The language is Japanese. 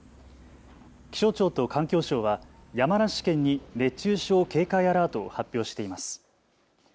気象庁と環境省は山梨県に熱中症警戒アラートを発表しています。